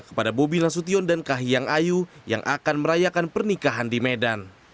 kepada bobi nasution dan kahiyang ayu yang akan merayakan pernikahan di medan